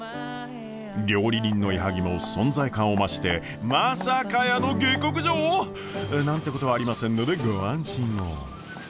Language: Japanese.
料理人の矢作も存在感を増してまさかやーの下克上！？なんてことはありませんのでご安心を。